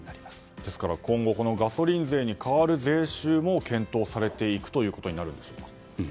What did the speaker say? ですから今後ガソリン税に代わる税収も検討されていくということになるんでしょうか。